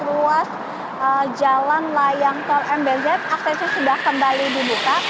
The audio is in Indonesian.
ruas jalan layang tol mbz aksesnya sudah kembali dibuka